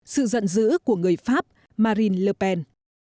sự giận dữ của người pháp marine le pen